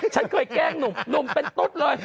ฉันเคยแกล้งหนุ่มเป็นตุ๊ดเลย